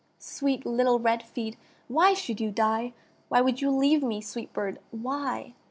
Sweet little red feet! why should you die Why would you leave me, sweet bird! why?